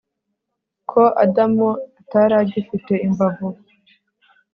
Ko Adamu ataragifite imbavu